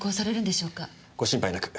ご心配なく。